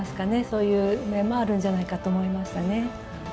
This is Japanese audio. そういう面もあるんじゃないかと思いましたね。